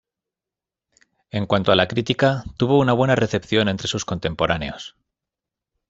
En cuanto a la crítica, tuvo una buena recepción entre sus contemporáneos.